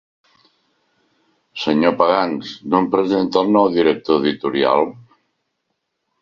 Senyor Pagans, no em presenta el nou director editorial?